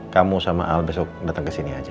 kamu sama al besok datang ke sini aja